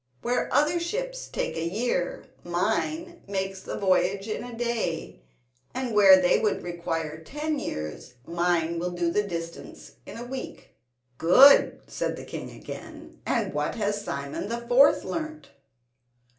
Where other ships take a year, mine makes the voyage in a day, and where they would require ten years mine will do the distance in a week." "Good," said the king again; "and what has Simon the fourth learnt?"